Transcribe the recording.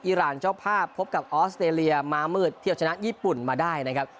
รานเจ้าภาพพบกับออสเตรเลียม้ามืดเที่ยวชนะญี่ปุ่นมาได้นะครับ